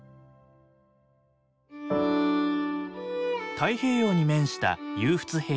太平洋に面した勇払平野。